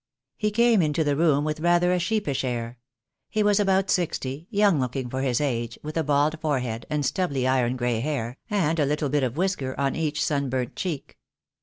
He came into the room with rather a sheepish air. He was about sixty, young looking for his age, with a bald forehead, and stubbly iron grey hair, and a little bit of whisker on each sunburnt cheek.